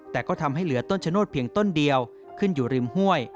แต่ก็ทำให้เหลือต้นชะโนธเพียงต้นเดียวขึ้นอยู่ริมห้วย